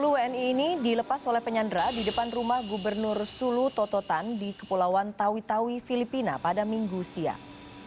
sepuluh wni ini dilepas oleh penyandra di depan rumah gubernur sulu tototan di kepulauan tawi tawi filipina pada minggu siang